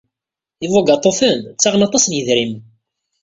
Ibugaṭuten ttaɣen aṭas n yedrimen.